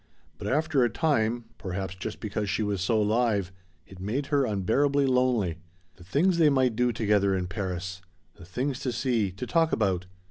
But after a time, perhaps just because she was so live, it made her unbearably lonely. The things they might do together in Paris! The things to see to talk about.